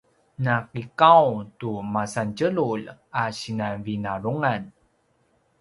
na kiqaung tu masan tjelulj a sinan vinarungan